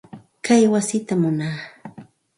Kay wasitam munaa.